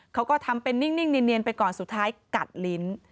เขาก็ทำเป็นนิ่งเนียนไปก่อนสุดท้ายกัดลิ้น